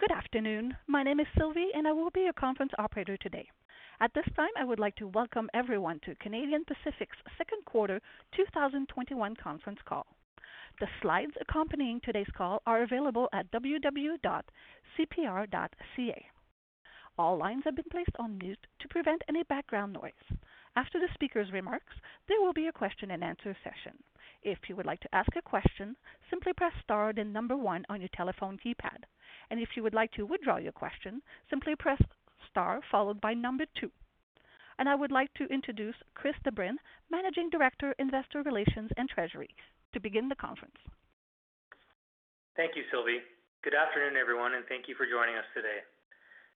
Good afternoon. My name is Sylvie, and I will be your conference operator today. At this time, I would like to welcome everyone to Canadian Pacific's second quarter 2021 conference call. The slides accompanying today's call are available at www.cpr.ca. All lines have been placed on mute to prevent any background noise. After the speaker's remarks, there will be a question and answer session. If you would like to ask a question, simply press star then number one on your telephone keypad. If you would like to withdraw your question, simply press star followed by number two. I would like to introduce Chris de Bruyn, Managing Director, Investor Relations and Treasury, to begin the conference. Thank you, Sylvie. Good afternoon, everyone, and thank you for joining us today.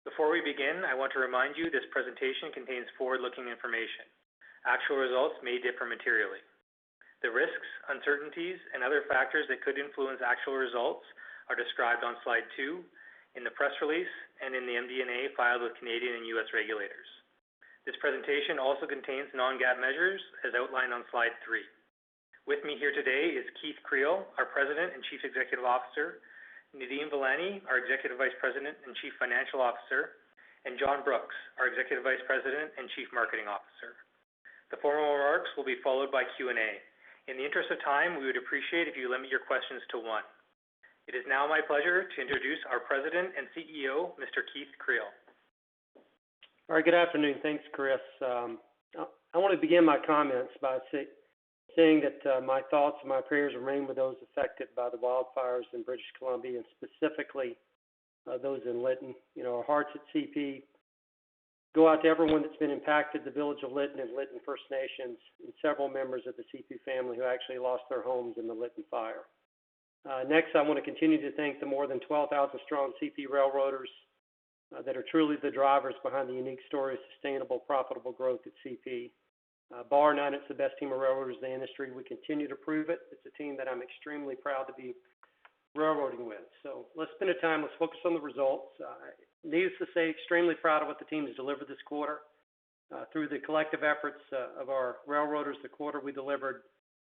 Before we begin, I want to remind you this presentation contains forward-looking information. Actual results may differ materially. The risks, uncertainties, and other factors that could influence actual results are described on slide two, in the press release, and in the MD&A filed with Canadian and U.S. regulators. This presentation also contains non-GAAP measures, as outlined on slide three. With me here today is Keith Creel, our President and Chief Executive Officer, Nadeem Velani, our Executive Vice President and Chief Financial Officer, and John Brooks, our Executive Vice President and Chief Marketing Officer. The formal remarks will be followed by Q&A. In the interest of time, we would appreciate if you limit your questions to one. It is now my pleasure to introduce our President and CEO, Mr. Keith Creel. All right. Good afternoon. Thanks, Chris. I want to begin my comments by saying that my thoughts and my prayers remain with those affected by the wildfires in British Columbia, and specifically those in Lytton. Our hearts at CP go out to everyone that's been impacted, the village of Lytton and Lytton First Nation, and several members of the CP family who actually lost their homes in the Lytton fire. Next, I want to continue to thank the more than 12,000 strong CP railroaders that are truly the drivers behind the unique story of sustainable, profitable growth at CP. Bar none, it's the best team of railroaders in the industry, and we continue to prove it. It's a team that I'm extremely proud to be railroading with. Let's spend the time, let's focus on the results. Needless to say, extremely proud of what the team has delivered this quarter. Through the collective efforts of our railroaders this quarter, we delivered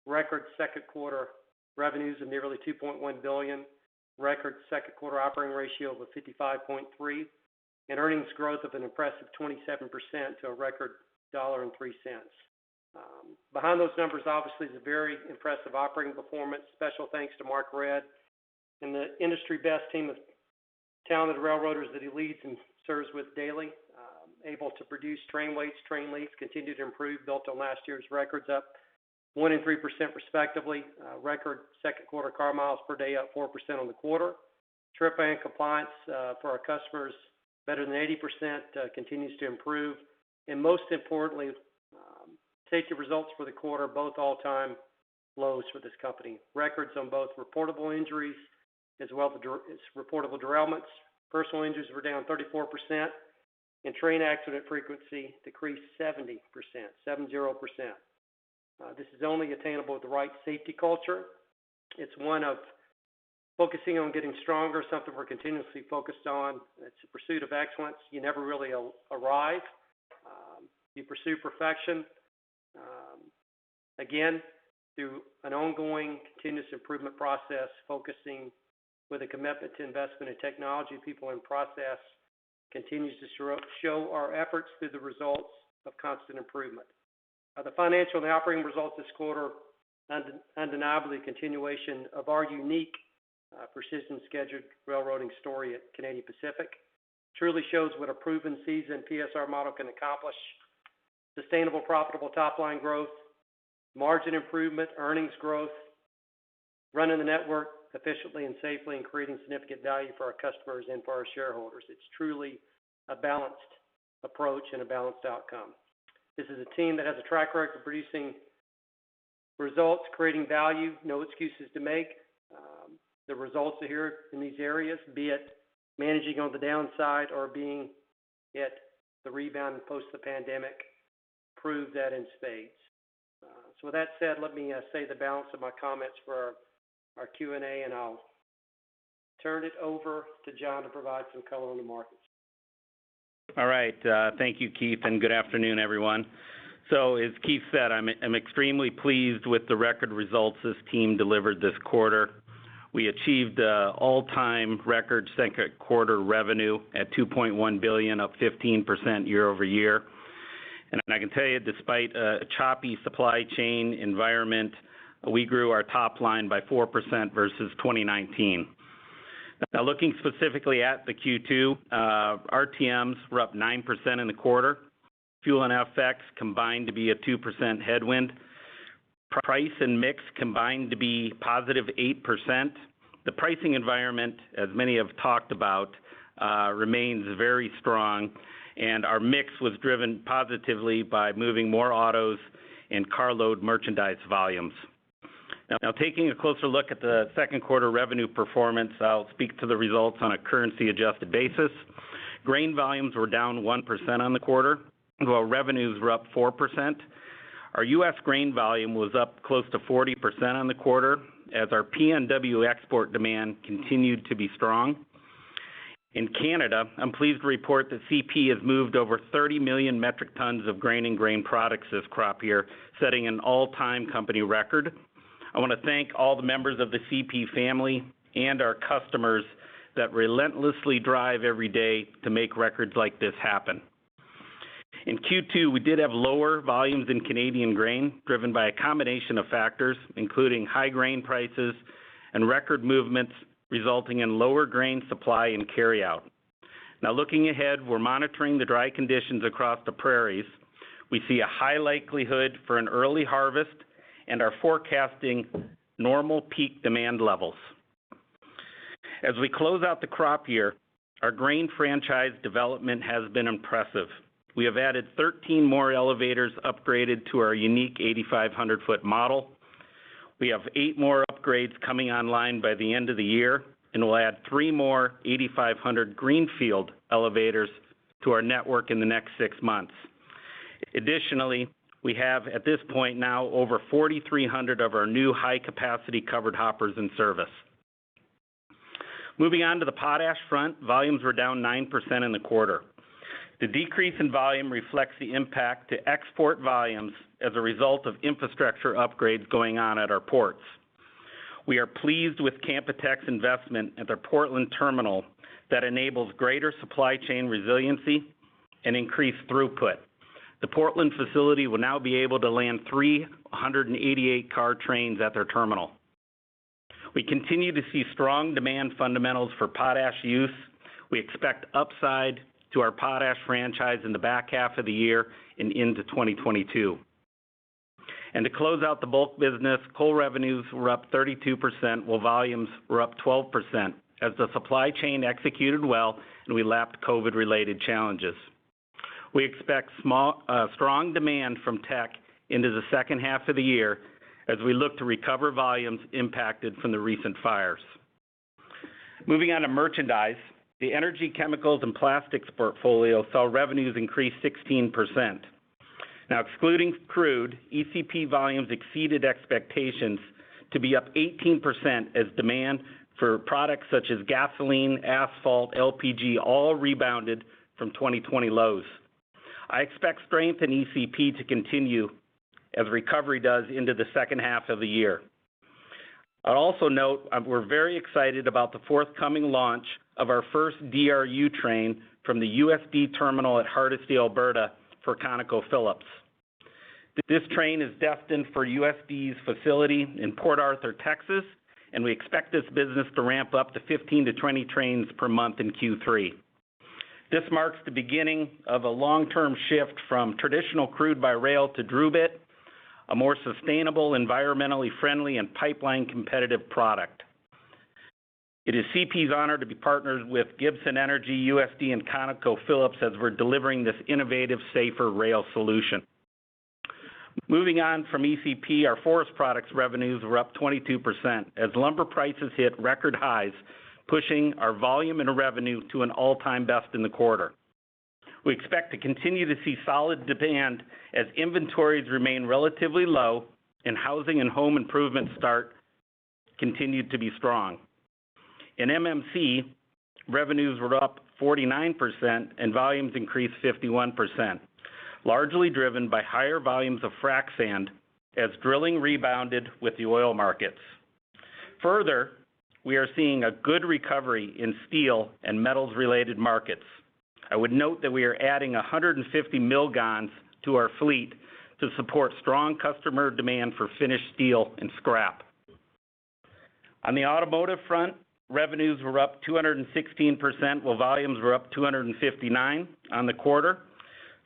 record second quarter revenues of nearly 2.1 billion, record second quarter operating ratio of 55.3%, and earnings growth of an impressive 27% to a record 1.03 dollar. Behind those numbers, obviously, is a very impressive operating performance. Special thanks to Mark Redd and the industry best team of talented railroaders that he leads and serves with daily, able to produce train weights, train lengths, continue to improve, built on last year's records, up 1% and 3% respectively. Record second quarter car miles per day up 4% on the quarter. Trip and compliance for our customers, better than 80%, continues to improve. Most importantly, safety results for the quarter, both all-time lows for this company. Records on both reportable injuries as well as reportable derailments. Personal injuries were down 34%, and train accident frequency decreased 70%. This is only attainable with the right safety culture. It's one of focusing on getting stronger, something we're continuously focused on. It's a pursuit of excellence. You never really arrive. You pursue perfection, again, through an ongoing continuous improvement process, focusing with a commitment to investment in technology, people, and process, continues to show our efforts through the results of constant improvement. The financial and the operating results this quarter, undeniably a continuation of our unique persistent scheduled railroading story at Canadian Pacific. Truly shows what a proven seasoned PSR model can accomplish. Sustainable, profitable top-line growth, margin improvement, earnings growth, running the network efficiently and safely, and creating significant value for our customers and for our shareholders. It's truly a balanced approach and a balanced outcome. This is a team that has a track record of producing results, creating value, no excuses to make. The results are here in these areas, be it managing on the downside or being at the rebound post the pandemic, prove that in spades. With that said, let me save the balance of my comments for our Q&A, and I'll turn it over to John to provide some color on the markets. All right. Thank you, Keith, and good afternoon, everyone. As Keith said, I'm extremely pleased with the record results this team delivered this quarter. We achieved all-time record second quarter revenue at 2.1 billion, up 15% year-over-year. I can tell you, despite a choppy supply chain environment, we grew our top line by 4% versus 2019. Looking specifically at the Q2, RTMs were up 9% in the quarter. Fuel and FX combined to be a 2% headwind. Price and mix combined to be positive 8%. The pricing environment, as many have talked about, remains very strong and our mix was driven positively by moving more autos and car load merchandise volumes. Taking a closer look at the second quarter revenue performance, I'll speak to the results on a currency adjusted basis. Grain volumes were down 1% on the quarter, while revenues were up 4%. Our U.S. grain volume was up close to 40% on the quarter as our PNW export demand continued to be strong. In Canada, I'm pleased to report that CP has moved over 30 million metric tons of grain and grain products this crop year, setting an all-time company record. I want to thank all the members of the CP family and our customers that relentlessly drive every day to make records like this happen. In Q2, we did have lower volumes in Canadian grain, driven by a combination of factors, including high grain prices and record movements resulting in lower grain supply and carryout. Looking ahead, we're monitoring the dry conditions across the prairies. We see a high likelihood for an early harvest and are forecasting normal peak demand levels. As we close out the crop year, our grain franchise development has been impressive. We have added 13 more elevators upgraded to our unique 8,500-foot model. We have eight more upgrades coming online by the end of the year, and we'll add three more 8,500 greenfield elevators to our network in the next six months. Additionally, we have, at this point now, over 4,300 of our new high-capacity covered hoppers in service. Moving on to the potash front, volumes were down 9% in the quarter. The decrease in volume reflects the impact to export volumes as a result of infrastructure upgrades going on at our ports. We are pleased with Canpotex's investment at their Portland terminal that enables greater supply chain resiliency and increased throughput. The Portland facility will now be able to land three 188-car trains at their terminal. We continue to see strong demand fundamentals for potash use. We expect upside to our potash franchise in the back half of the year and into 2022. To close out the bulk business, coal revenues were up 32%, while volumes were up 12%, as the supply chain executed well and we lapped COVID-related challenges. We expect strong demand from Teck into the second half of the year as we look to recover volumes impacted from the recent fires. Moving on to merchandise, the energy, chemicals, and plastics portfolio saw revenues increase 16%. Excluding crude, ECP volumes exceeded expectations to be up 18% as demand for products such as gasoline, asphalt, LPG all rebounded from 2020 lows. I expect strength in ECP to continue as recovery does into the second half of the year. I'd also note we're very excited about the forthcoming launch of our first DRU train from the USD terminal at Hardisty, Alberta, for ConocoPhillips. This train is destined for USD's facility in Port Arthur, Texas. We expect this business to ramp up to 15-20 trains per month in Q3. This marks the beginning of a long-term shift from traditional crude by rail to DRUbit, a more sustainable, environmentally friendly, and pipeline-competitive product. It is CP's honor to be partnered with Gibson Energy, USD, and ConocoPhillips as we're delivering this innovative, safer rail solution. Moving on from ECP, our forest products revenues were up 22% as lumber prices hit record highs, pushing our volume into revenue to an all-time best in the quarter. We expect to continue to see solid demand as inventories remain relatively low and housing and home improvement start continued to be strong. In MMC, revenues were up 49% and volumes increased 51%, largely driven by higher volumes of frac sand as drilling rebounded with the oil markets. We are seeing a good recovery in steel and metals-related markets. I would note that we are adding 150 mill [gons] to our fleet to support strong customer demand for finished steel and scrap. On the automotive front, revenues were up 216%, while volumes were up 259% on the quarter.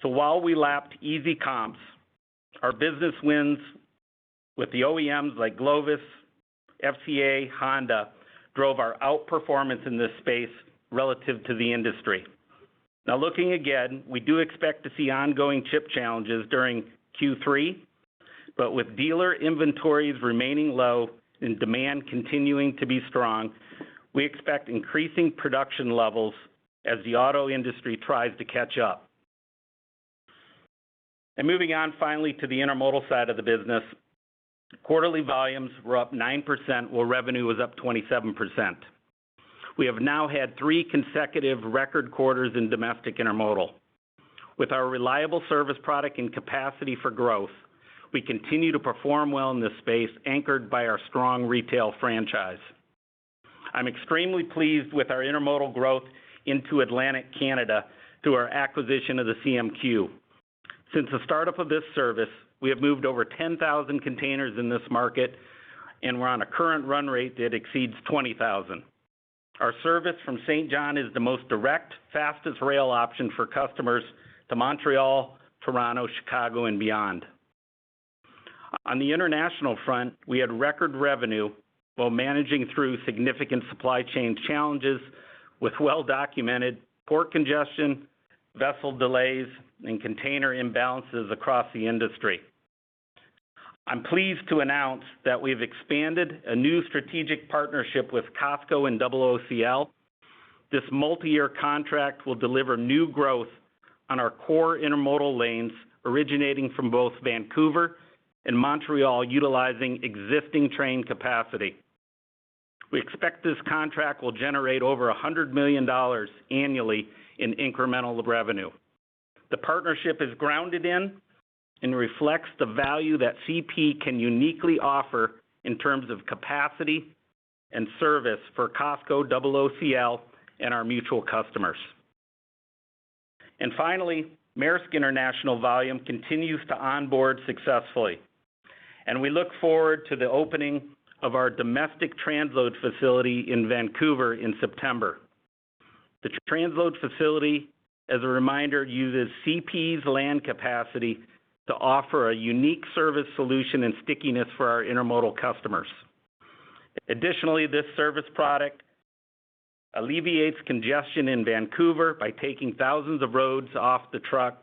While we lapped easy comps, our business wins with the OEMs like Glovis, FCA, Honda, drove our outperformance in this space relative to the industry. Looking again, we do expect to see ongoing chip challenges during Q3, with dealer inventories remaining low and demand continuing to be strong, we expect increasing production levels as the auto industry tries to catch up. Moving on finally to the intermodal side of the business, quarterly volumes were up 9%, while revenue was up 27%. We have now had three consecutive record quarters in domestic intermodal. With our reliable service product and capacity for growth, we continue to perform well in this space, anchored by our strong retail franchise. I'm extremely pleased with our intermodal growth into Atlantic Canada through our acquisition of the CMQ. Since the startup of this service, we have moved over 10,000 containers in this market, and we're on a current run rate that exceeds 20,000. Our service from Saint John is the most direct, fastest rail option for customers to Montreal, Toronto, Chicago, and beyond. On the international front, we had record revenue while managing through significant supply chain challenges with well-documented port congestion, vessel delays, and container imbalances across the industry. I'm pleased to announce that we've expanded a new strategic partnership with COSCO and OOCL. This multiyear contract will deliver new growth on our core intermodal lanes originating from both Vancouver and Montreal utilizing existing train capacity. We expect this contract will generate over 100 million dollars annually in incremental revenue. The partnership is grounded in and reflects the value that CP can uniquely offer in terms of capacity and service for COSCO, OOCL, and our mutual customers. Finally, Maersk International volume continues to onboard successfully, and we look forward to the opening of our domestic transload facility in Vancouver in September. The transload facility, as a reminder, uses CP's land capacity to offer a unique service solution and stickiness for our intermodal customers. Additionally, this service product alleviates congestion in Vancouver by taking thousands of trucks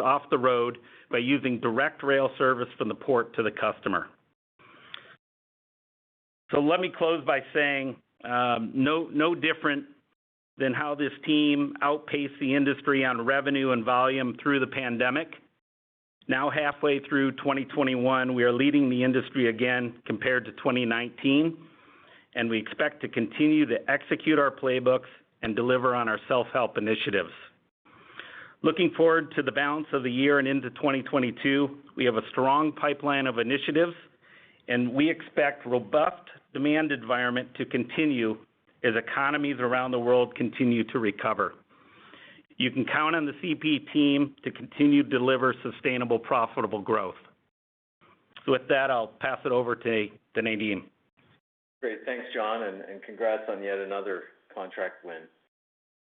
off the road by using direct rail service from the port to the customer. Let me close by saying, no different than how this team outpaced the industry on revenue and volume through the pandemic, now halfway through 2021, we are leading the industry again compared to 2019, and we expect to continue to execute our playbooks and deliver on our self-help initiatives. Looking forward to the balance of the year and into 2022, we have a strong pipeline of initiatives, and we expect robust demand environment to continue as economies around the world continue to recover. You can count on the CP team to continue to deliver sustainable, profitable growth. With that, I'll pass it over to Nadeem. Great. Thanks, John, and congrats on yet another contract win.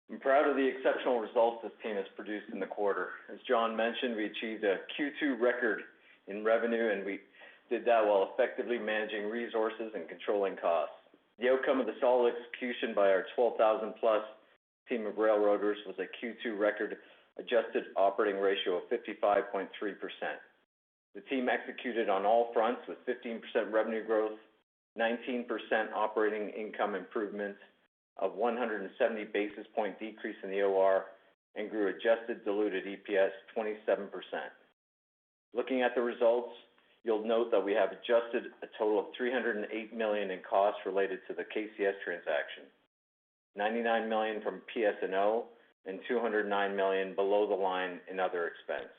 I am proud of the exceptional results this team has produced in the quarter. As John mentioned, we achieved a Q2 record in revenue, and we did that while effectively managing resources and controlling costs. The outcome of the solid execution by our 12,000+ team of railroaders was a Q2 record adjusted operating ratio of 55.3%. The team executed on all fronts with 15% revenue growth, 19% operating income improvements, a 170 basis point decrease in the OR, and grew adjusted diluted EPS 27%. Looking at the results, you will note that we have adjusted a total of 308 million in costs related to the KCS transaction, 99 million from PS&O and 209 million below the line in other expense.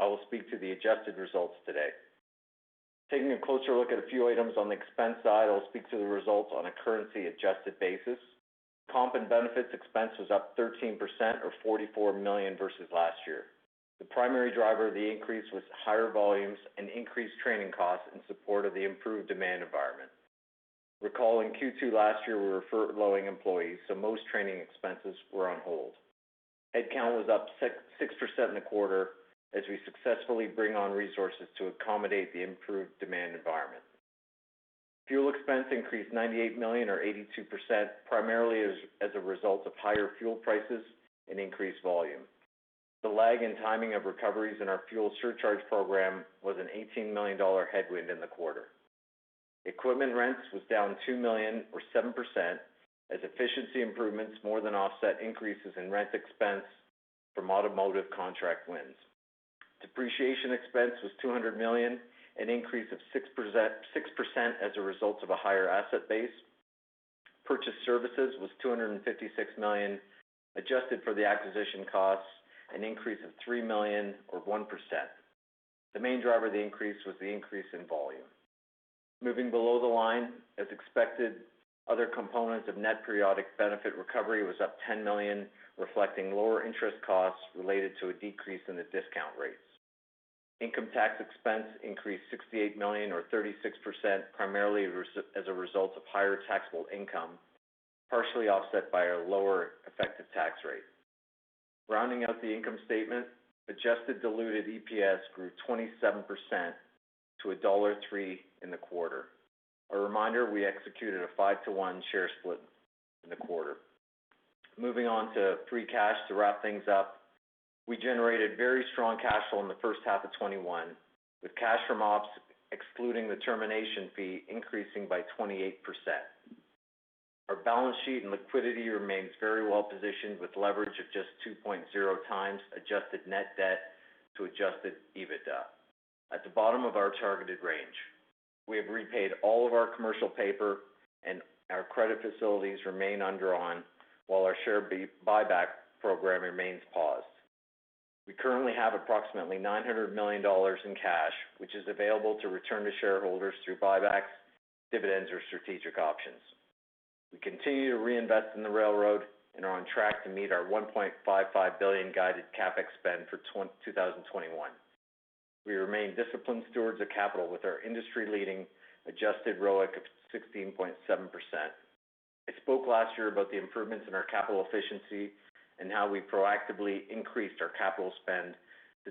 I will speak to the adjusted results today. Taking a closer look at a few items on the expense side, I'll speak to the results on a currency-adjusted basis. Comp and benefits expense was up 13% or 44 million versus last year. The primary driver of the increase was higher volumes and increased training costs in support of the improved demand environment. Recall in Q2 last year, we were furloughing employees, so most training expenses were on hold. Headcount was up 6% in the quarter as we successfully bring on resources to accommodate the improved demand environment. Fuel expense increased 98 million or 82%, primarily as a result of higher fuel prices and increased volume. The lag in timing of recoveries in our fuel surcharge program was an 18 million dollar headwind in the quarter. Equipment rents was down 2 million or 7% as efficiency improvements more than offset increases in rent expense from automotive contract wins. Depreciation expense was 200 million, an increase of 6% as a result of a higher asset base. Purchased services was 256 million. Adjusted for the acquisition costs, an increase of 3 million or 1%. The main driver of the increase was the increase in volume. Moving below the line, as expected, other components of net periodic benefit recovery was up 10 million, reflecting lower interest costs related to a decrease in the discount rates. Income tax expense increased 68 million or 36%, primarily as a result of higher taxable income, partially offset by a lower effective tax rate. Rounding out the income statement, adjusted diluted EPS grew 27% to dollar 1.03 in the quarter. A reminder, we executed a five-to-one share split in the quarter. Moving on to free cash to wrap things up. We generated very strong cash flow in the first half of 2021, with cash from ops excluding the termination fee increasing by 28%. Our balance sheet and liquidity remains very well-positioned with leverage of just 2.0x adjusted net debt to adjusted EBITDA at the bottom of our targeted range. We have repaid all of our commercial paper and our credit facilities remain undrawn, while our share buyback program remains paused. We currently have approximately 900 million dollars in cash, which is available to return to shareholders through buybacks, dividends, or strategic options. We continue to reinvest in the railroad and are on track to meet our 1.55 billion guided CapEx spend for 2021. We remain disciplined stewards of capital with our industry-leading adjusted ROIC of 16.7%. I spoke last year about the improvements in our capital efficiency and how we proactively increased our capital spend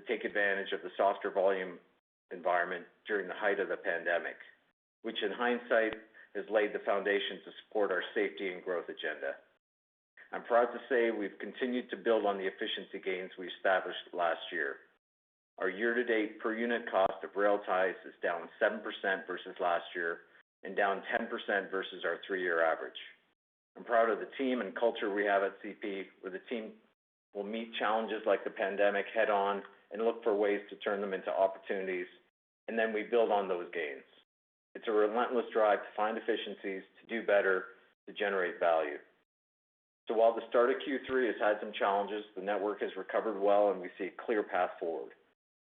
to take advantage of the softer volume environment during the height of the pandemic, which in hindsight, has laid the foundation to support our safety and growth agenda. I am proud to say we have continued to build on the efficiency gains we established last year. Our year-to-date per unit cost of rail ties is down 7% versus last year, and down 10% versus our three-year average. I am proud of the team and culture we have at CP, where the team will meet challenges like the pandemic head-on and look for ways to turn them into opportunities, and then we build on those gains. It is a relentless drive to find efficiencies, to do better, to generate value. While the start of Q3 has had some challenges, the network has recovered well and we see a clear path forward.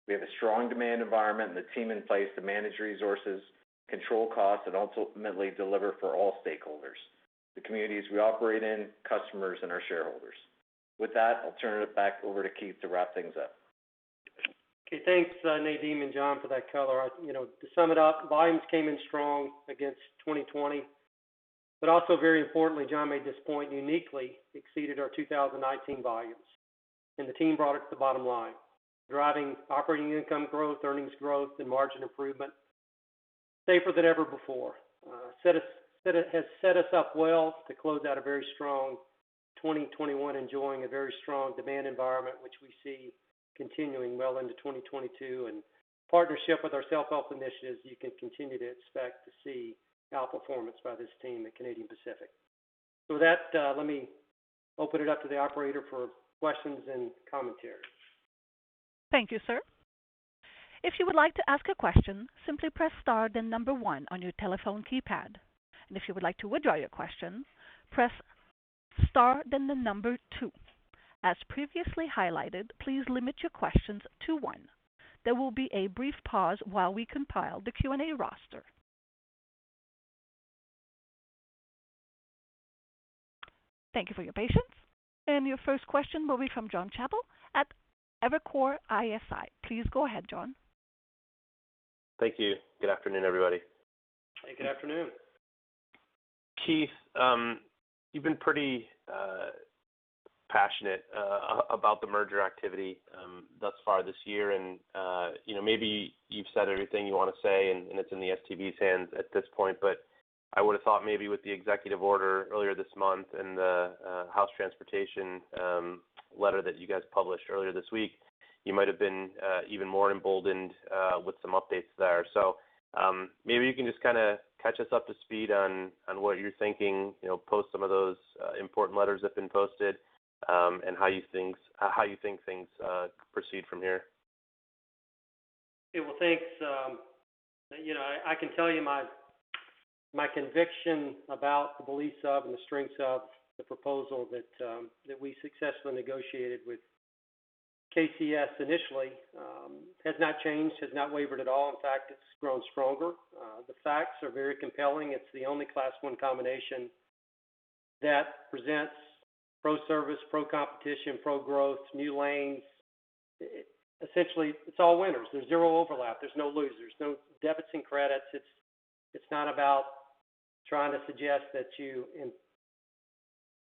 We have a strong demand environment and the team in place to manage resources, control costs, and ultimately deliver for all stakeholders, the communities we operate in, customers, and our shareholders. With that, I'll turn it back over to Keith to wrap things up. Thanks, Nadeem and John, for that color. To sum it up, volumes came in strong against 2020, also very importantly, John made this point, uniquely exceeded our 2019 volumes. The team brought it to the bottom line, driving operating income growth, earnings growth, and margin improvement, safer than ever before. It has set us up well to close out a very strong 2021, enjoying a very strong demand environment, which we see continuing well into 2022. In partnership with our self-help initiatives, you can continue to expect to see outperformance by this team at Canadian Pacific. With that, let me open it up to the operator for questions and commentary. Thank you, sir. If you would like to ask a question, simply press star then the number one on your telephone keypad. If you would like to withdraw your question, press star then the number two. As previously highlighted, please limit your questions to one. There will be a brief pause while we compile the Q&A roster. Thank you for your patience. Your first question will be from Jon Chappell at Evercore ISI. Please go ahead, John. Thank you. Good afternoon, everybody. Good afternoon. Keith, you've been pretty passionate about the merger activity thus far this year and maybe you've said everything you want to say, and it's in the STB's hands at this point, but I would've thought maybe with the executive order earlier this month and the House transportation letter that you guys published earlier this week, you might have been even more emboldened with some updates there. Maybe you can just catch us up to speed on what you're thinking, post some of those important letters that have been posted, and how you think things proceed from here. Okay. Well, thanks. I can tell you my conviction about the beliefs of and the strengths of the proposal that we successfully negotiated with KCS initially has not changed, has not wavered at all. In fact, it's grown stronger. The facts are very compelling. It's the only class one combination that presents pro-service, pro-competition, pro-growth, new lanes. Essentially, it's all winners. There's zero overlap. There's no losers, no debits and credits. It's not about trying to suggest that you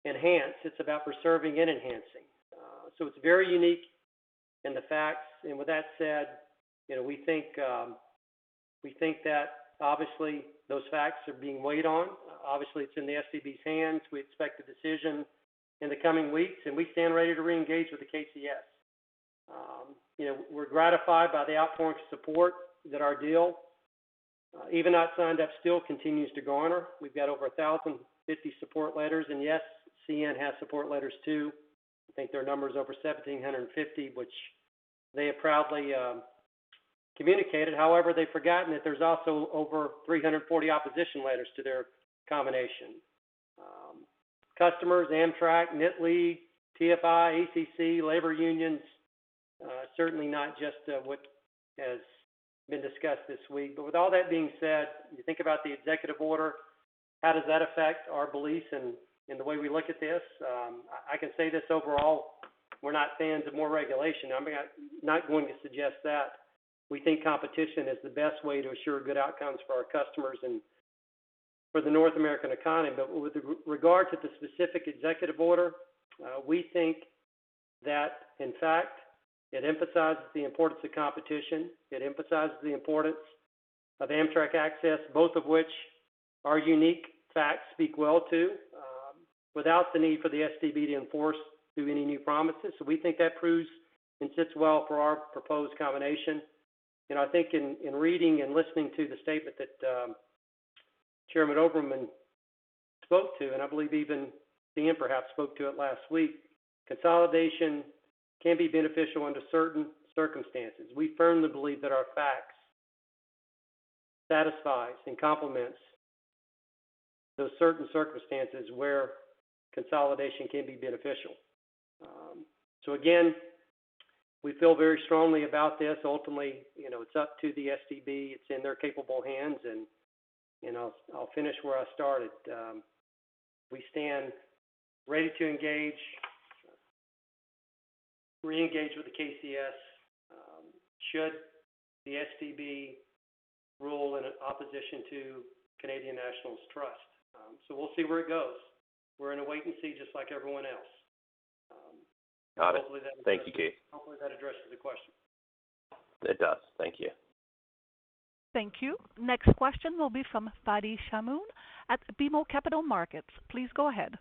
enhance, it's about preserving and enhancing. It's very unique in the facts. With that said, we think that obviously those facts are being weighed on. Obviously, it's in the STB's hands. We expect a decision in the coming weeks, and we stand ready to reengage with the KCS. We're gratified by the outpouring of support that our deal, even not signed up, still continues to garner. We've got over 1,050 support letters. Yes, CN has support letters too. I think their number is over 1,750, which they have proudly communicated. They've forgotten that there's also over 340 opposition letters to their combination. Customers, Amtrak, NITL, TFI, ACC, labor unions, certainly not just what has been discussed this week. With all that being said, you think about the executive order, how does that affect our beliefs and the way we look at this? I can say this overall, we're not fans of more regulation. I'm not going to suggest that. We think competition is the best way to assure good outcomes for our customers and for the North American economy. With regard to the specific executive order, we think that in fact, it emphasizes the importance of competition. It emphasizes the importance of Amtrak access, both of which our unique facts speak well to, without the need for the STB to enforce through any new promises. We think that proves and sits well for our proposed combination. I think in reading and listening to the statement that Chairman Oberman spoke to, and I believe even CN perhaps spoke to it last week, consolidation can be beneficial under certain circumstances. We firmly believe that our facts satisfies and complements those certain circumstances where consolidation can be beneficial. Again, we feel very strongly about this. Ultimately, it's up to the STB. It's in their capable hands. I'll finish where I started. We stand ready to engage, reengage with the KCS, should the STB rule in opposition to Canadian National's trust. We'll see where it goes. We're in a wait and see just like everyone else. Got it. Thank you, Keith. Hopefully that addresses the question. It does. Thank you. Thank you. Next question will be from Fadi Chamoun at BMO Capital Markets. Please go ahead.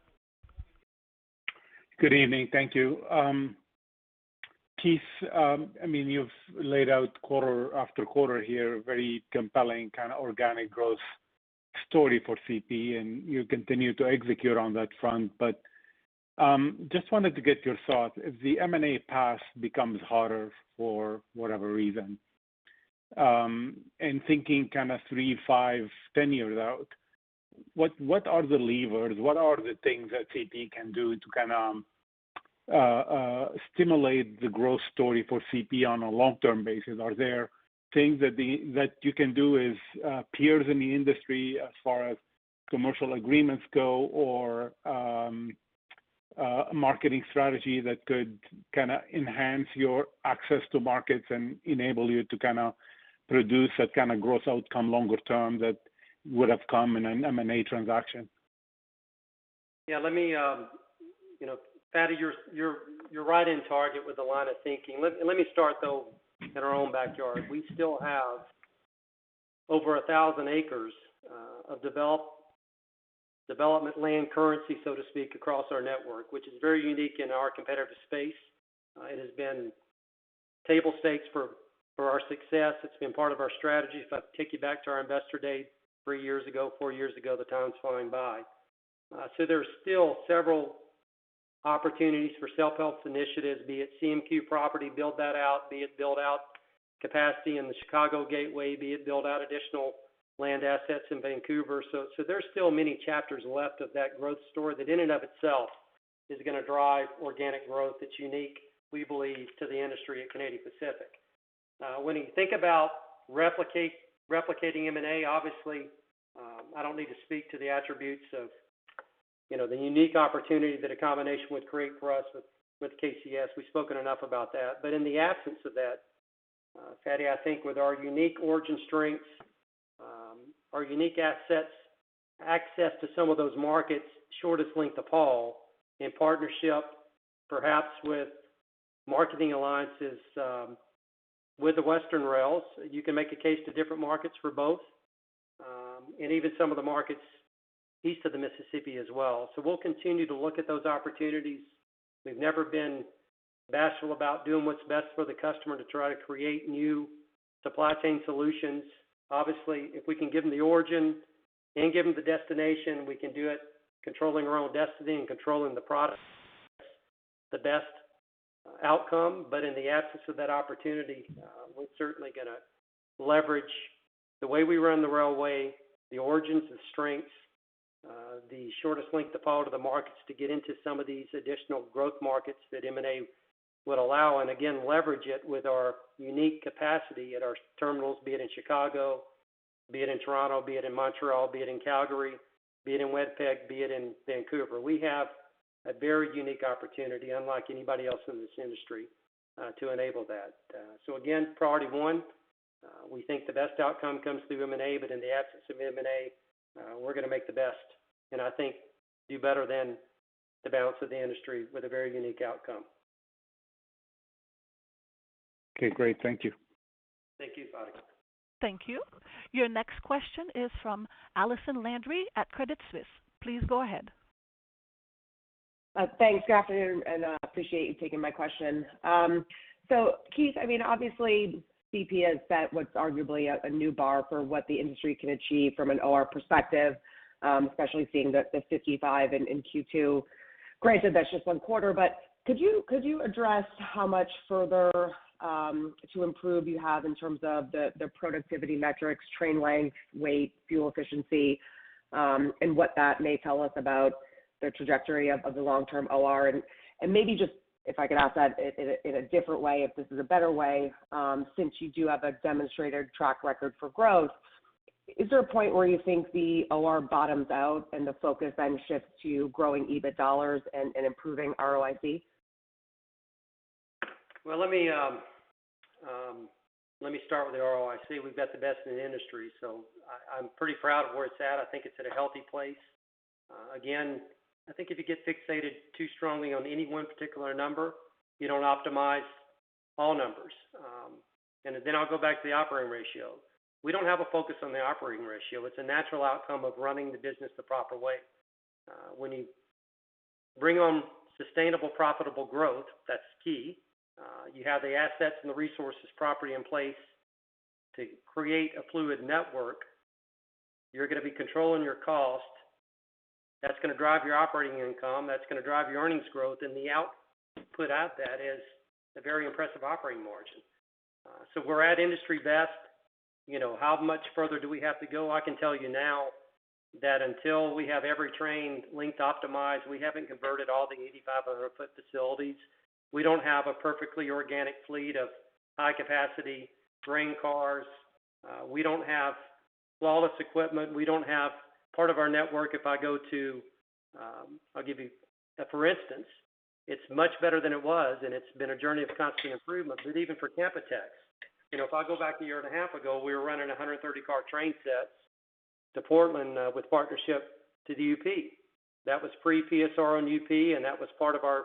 Good evening. Thank you. Keith, you've laid out quarter after quarter here, very compelling kind of organic growth story for CP, and you continue to execute on that front. Just wanted to get your thoughts. If the M&A path becomes harder for whatever reason, and thinking kind of three, five, 10 years out, what are the levers? What are the things that CP can do to kind of stimulate the growth story for CP on a long-term basis? Are there things that you can do as peers in the industry as far as commercial agreements go, or a marketing strategy that could enhance your access to markets and enable you to produce that kind of growth outcome longer term that would have come in an M&A transaction? Yeah. Fadi, you're right in target with the line of thinking. Let me start, though, in our own backyard. We still have over 1,000 acres of development land currency, so to speak, across our network, which is very unique in our competitive space. It has been table stakes for our success. It's been part of our strategy. If I take you back to our investor day three years ago, four years ago, the time's flying by. There's still several opportunities for self-help initiatives, be it CMQ property, build that out, be it build out capacity in the Chicago gateway, be it build out additional land assets in Vancouver. There's still many chapters left of that growth story that in and of itself is going to drive organic growth that's unique, we believe, to the industry at Canadian Pacific. When you think about replicating M&A, obviously, I don't need to speak to the attributes of the unique opportunity that a combination would create for us with KCS. We've spoken enough about that. In the absence of that, Fadi, I think with our unique origin strengths, our unique assets, access to some of those markets, shortest length of haul in partnership, perhaps with marketing alliances with the Western rails, you can make a case to different markets for both, and even some of the markets east of the Mississippi as well. We'll continue to look at those opportunities. We've never been bashful about doing what's best for the customer to try to create new supply chain solutions. Obviously, if we can give them the origin and give them the destination, we can do it controlling our own destiny and controlling the product, the best outcome. In the absence of that opportunity, we're certainly going to leverage the way we run the railway, the origins, the strengths, the shortest length of haul to the markets to get into some of these additional growth markets that M&A would allow. Again, leverage it with our unique capacity at our terminals, be it in Chicago, be it in Toronto, be it in Montreal, be it in Calgary, be it in Winnipeg, be it in Vancouver. We have a very unique opportunity, unlike anybody else in this industry, to enable that. Again, priority one, we think the best outcome comes through M&A. In the absence of M&A, we're going to make the best, and I think do better than the balance of the industry with a very unique outcome. Okay, great. Thank you. Thank you, Fadi. Thank you. Your next question is from Allison Landry at Credit Suisse. Please go ahead. Thanks. Good afternoon, appreciate you taking my question. Keith, obviously CP has set what's arguably a new bar for what the industry can achieve from an OR perspective, especially seeing the 55 in Q2. Granted, that's just one quarter, could you address how much further to improve you have in terms of the productivity metrics, train length, weight, fuel efficiency, and what that may tell us about the trajectory of the long-term OR? Maybe just, if I could ask that in a different way, if this is a better way, since you do have a demonstrated track record for growth, is there a point where you think the OR bottoms out and the focus then shifts to growing EBIT dollars and improving ROIC? Well, let me start with the ROIC. We've got the best in the industry, I'm pretty proud of where it's at. I think it's at a healthy place. Again, I think if you get fixated too strongly on any one particular number, you don't optimize all numbers. Then I'll go back to the operating ratio. We don't have a focus on the operating ratio. It's a natural outcome of running the business the proper way. When you bring on sustainable, profitable growth, that's key. You have the assets and the resources properly in place to create a fluid network. You're going to be controlling your cost. That's going to drive your operating income. That's going to drive your earnings growth. The output at that is a very impressive operating margin. We're at industry best. How much further do we have to go? I can tell you now that until we have every train length optimized, we haven't converted all the 8,500-foot facilities. We don't have a perfectly organic fleet of high-capacity grain cars. We don't have flawless equipment. Part of our network, I'll give you a for instance. It's much better than it was, and it's been a journey of constant improvement, but even for CapEx, if I go back a year and a half ago, we were running 130-car train sets to Portland with partnership to the UP. That was pre-PSR on UP, and that was part of our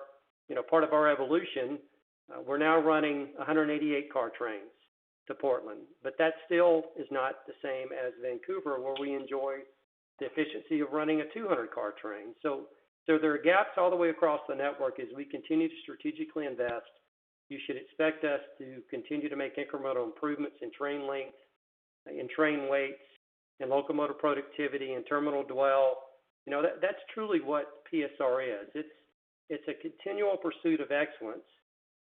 evolution, we're now running 188-car trains to Portland, but that still is not the same as Vancouver, where we enjoy the efficiency of running a 200-car train. There are gaps all the way across the network. As we continue to strategically invest, you should expect us to continue to make incremental improvements in train length, in train weights, in locomotive productivity, and terminal dwell. That's truly what PSR is. It's a continual pursuit of excellence.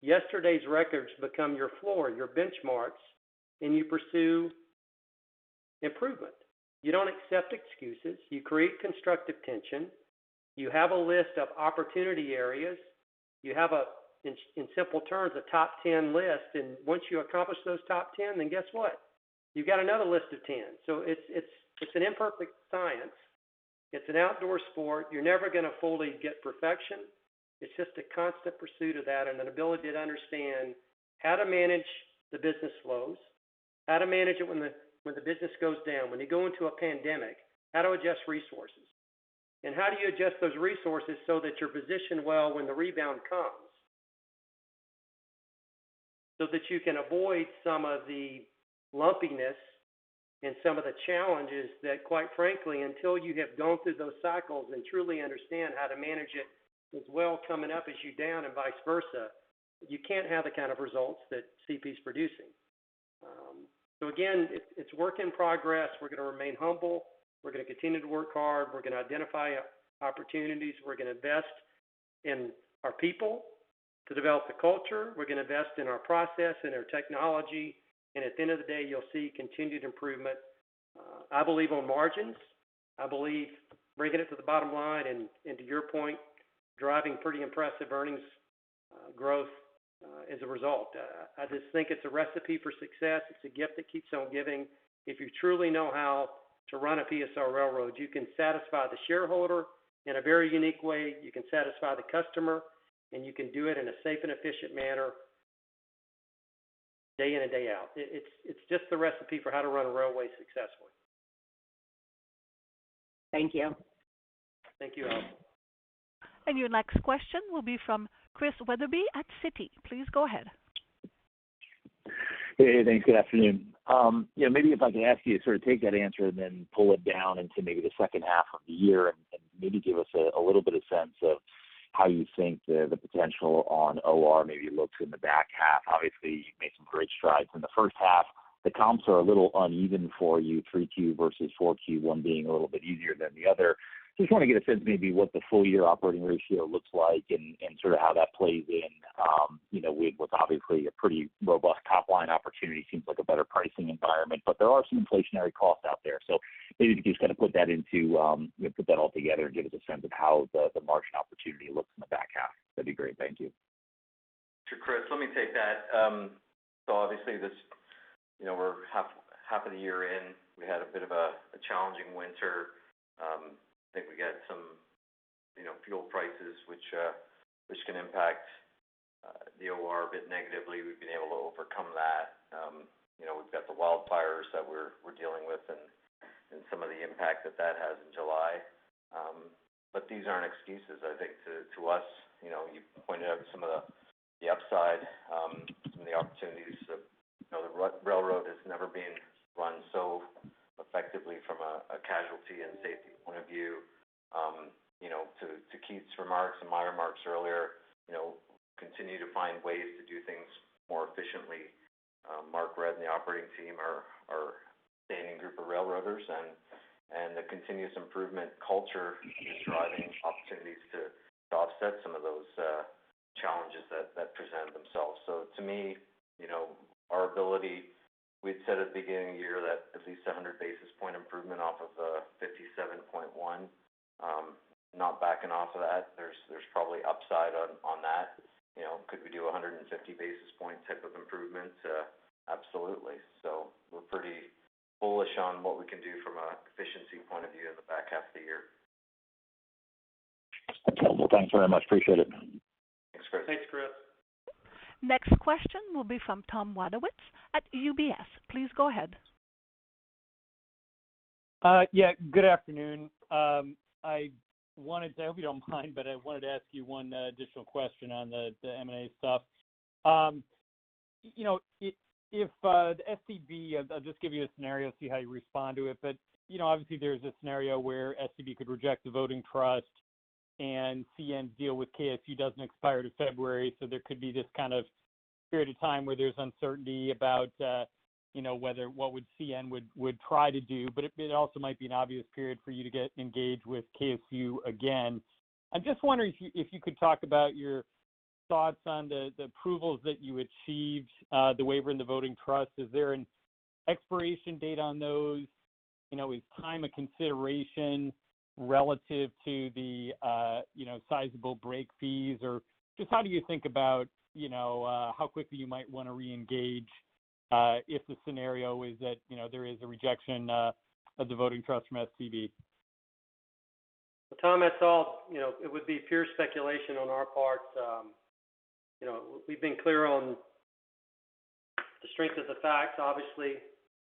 Yesterday's records become your floor, your benchmarks, you pursue improvement. You don't accept excuses. You create constructive tension. You have a list of opportunity areas. You have, in simple terms, a top 10 list. Once you accomplish those top 10, guess what? You've got another list of 10. It's an imperfect science. It's an outdoor sport. You're never going to fully get perfection. It's just a constant pursuit of that and an ability to understand how to manage the business flows, how to manage it when the business goes down, when you go into a pandemic, how to adjust resources, and how do you adjust those resources so that you're positioned well when the rebound comes. That you can avoid some of the lumpiness and some of the challenges that, quite frankly, until you have gone through those cycles and truly understand how to manage it as well coming up as you down and vice versa, you can't have the kind of results that CP's producing. Again, it's work in progress. We're going to remain humble. We're going to continue to work hard. We're going to identify opportunities. We're going to invest in our people to develop the culture. We're going to invest in our process and our technology, and at the end of the day, you'll see continued improvement, I believe, on margins. I believe bringing it to the bottom line and to your point, driving pretty impressive earnings growth, as a result. I just think it's a recipe for success. It's a gift that keeps on giving. If you truly know how to run a PSR railroad, you can satisfy the shareholder in a very unique way, you can satisfy the customer, and you can do it in a safe and efficient manner, day in and day out. It's just the recipe for how to run a railway successfully. Thank you. Thank you, Al. Your next question will be from Chris Wetherbee at Citi. Please go ahead. Hey, thanks. Good afternoon. If I could ask you to take that answer and then pull it down into maybe the second half of the year and maybe give us a little bit of sense of how you think the potential on OR maybe looks in the back half. You've made some great strides in the first half. The comps are a little uneven for you, 3Q versus 4Q, one being a little bit easier than the other. Want to get a sense maybe what the full year operating ratio looks like and how that plays in with what's obviously a pretty robust top-line opportunity. Seems like a better pricing environment. There are some inflationary costs out there. Maybe if you could just kind of put that all together and give us a sense of how the margin opportunity looks in the back half, that'd be great. Thank you. Sure. Chris, let me take that. Obviously, we're half of the year in. We had a bit of a challenging winter. I think we got some fuel prices, which can impact the OR a bit negatively. We've been able to overcome that. We've got the wildfires that we're dealing with and some of the impact that that has in July. These aren't excuses, I think, to us. You pointed out some of the upside, some of the opportunities. The railroad has never been run so effectively from a casualty and safety point of view. To Keith's remarks and my remarks earlier, continue to find ways to do things more efficiently. Mark Redd and the operating team are a outstanding group of railroaders, and the continuous improvement culture is driving opportunities to offset some of those challenges that present themselves. To me, we had said at the beginning of the year that at least 100 basis point improvement off of the 57.1. Not backing off of that. There's probably upside on that. Could we do 150 basis points type of improvement? Absolutely. We're pretty bullish on what we can do from an efficiency point of view in the back half of the year. Okay. Well, thanks very much. Appreciate it. Thanks, Chris. Thanks, Chris. Next question will be from Tom Wadewitz at UBS. Please go ahead. Yeah, good afternoon. I hope you don't mind, but I wanted to ask you one additional question on the M&A stuff. I'll just give you a scenario, see how you respond to it. Obviously, there's a scenario where STB could reject the voting trust and CN's deal with KSU doesn't expire till February. There could be this kind of period of time where there's uncertainty about what CN would try to do. It also might be an obvious period for you to get engaged with KSU again. I'm just wondering if you could talk about your thoughts on the approvals that you achieved, the waiver and the voting trust. Is there an expiration date on those? Is time a consideration relative to the sizable break fees? Just how do you think about how quickly you might want to reengage if the scenario is that there is a rejection of the voting trust from STB? Tom, it would be pure speculation on our part. We've been clear on the strength of the facts, obviously,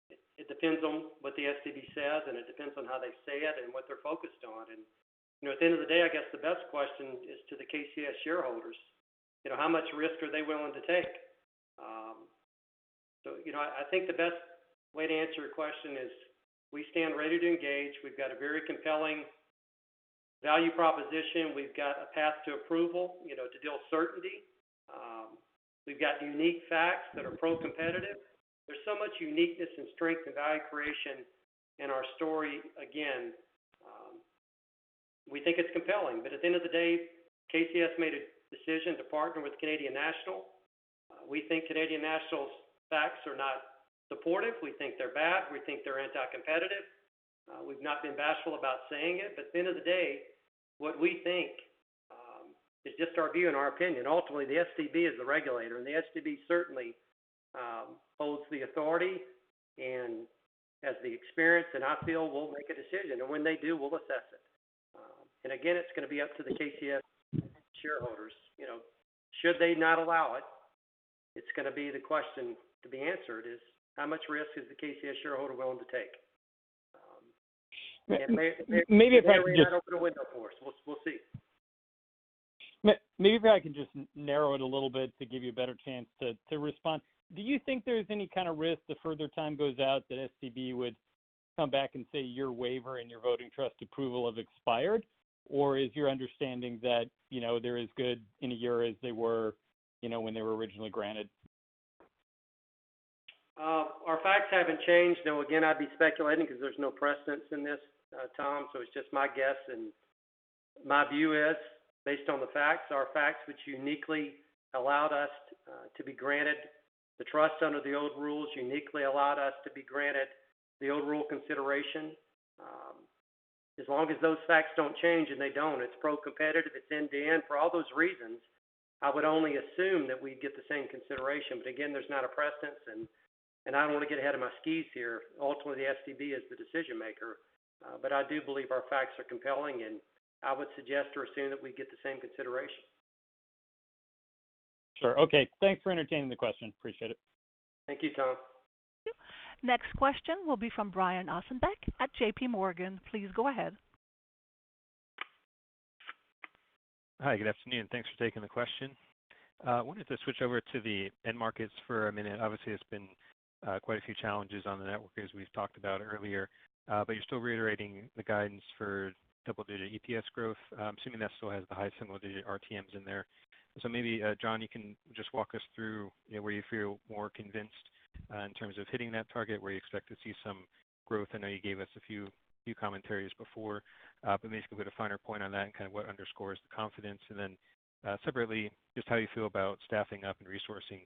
it depends on what the STB says, and it depends on how they say it and what they're focused on. At the end of the day, I guess the best question is to the KCS shareholders, how much risk are they willing to take? I think the best way to answer your question is we stand ready to engage. We've got a very compelling value proposition. We've got a path to approval, to deal certainty. We've got unique facts that are pro-competitive. There's so much uniqueness and strength and value creation in our story, again we think it's compelling. At the end of the day, KCS made a decision to partner with Canadian National. We think Canadian National's facts are not supportive. We think they're bad. We think they're anti-competitive. We've not been bashful about saying it. At the end of the day, what we think is just our view and our opinion. Ultimately, the STB is the regulator, and the STB certainly holds the authority and has the experience, and I feel will make a decision. When they do, we'll assess it. Again, it's going to be up to the KCS shareholders. Should they not allow it's going to be the question to be answered is, how much risk is the KCS shareholder willing to take? Maybe if I could just- Maybe that will open a window for us. We'll see. Maybe if I can just narrow it a little bit to give you a better chance to respond. Do you think there's any kind of risk the further time goes out that STB would come back and say your waiver and your voting trust approval have expired? Is your understanding that they're as good in a year as they were when they were originally granted? Our facts haven't changed. Again, I'd be speculating because there's no precedence in this, Tom, so it's just my guess. My view is, based on the facts, our facts which uniquely allowed us to be granted the trust under the old rules, uniquely allowed us to be granted the old rule consideration. As long as those facts don't change, and they don't, it's pro-competitive, it's end-to-end. For all those reasons, I would only assume that we'd get the same consideration. Again, there's not a precedence, and I don't want to get ahead of my skis here. Ultimately, the STB is the decision maker. I do believe our facts are compelling, and I would suggest or assume that we'd get the same consideration. Sure. Okay. Thanks for entertaining the question. Appreciate it. Thank you, Tom. Thank you. Next question will be from Brian Ossenbeck at JPMorgan. Please go ahead. Hi, good afternoon. Thanks for taking the question. I wanted to switch over to the end markets for a minute. Obviously, there's been quite a few challenges on the network as we've talked about earlier. You're still reiterating the guidance for double-digit EPS growth. I'm assuming that still has the high single-digit RTMs in there. Maybe, John, you can just walk us through where you feel more convinced in terms of hitting that target, where you expect to see some growth. I know you gave us a few commentaries before. Basically, put a finer point on that and kind of what underscores the confidence. Separately, just how you feel about staffing up and resourcing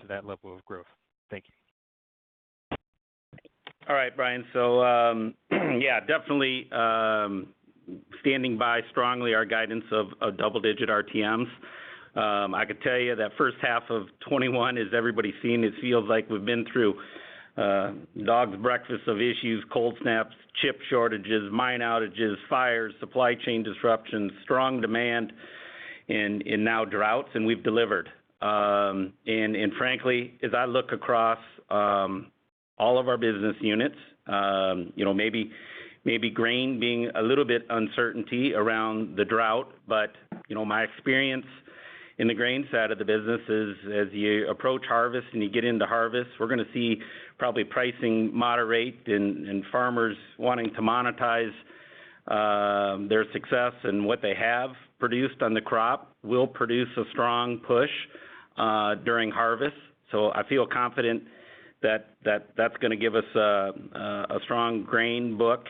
to that level of growth. Thank you. All right, Brian. Yeah, definitely standing by strongly our guidance of double-digit RTMs. I could tell you that first half of 2021, as everybody's seen, it feels like we've been through a dog's breakfast of issues, cold snaps, chip shortages, mine outages, fires, supply chain disruptions, strong demand, and now droughts, and we've delivered. Frankly, as I look across all of our business units, maybe grain being a little bit uncertainty around the drought. My experience in the grain side of the business is as you approach harvest and you get into harvest, we're going to see probably pricing moderate and farmers wanting to monetize their success and what they have produced on the crop will produce a strong push during harvest. I feel confident that that's going to give us a strong grain book